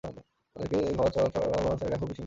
অন্যদিকে ঘ, ছ, ঠ, থ, ফ, ভ, শ এর ব্যবহার খুবই সীমিত।